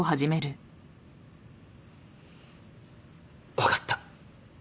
分かった。